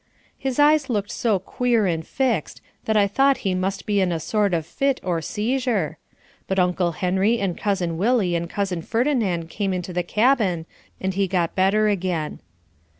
His eyes looked so queer and fixed, that I thought he must be in a sort of fit, or seizure. But Uncle Henry and Cousin Willie and Cousin Ferdinand came into the cabin and he got better again.